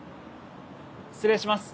失礼します。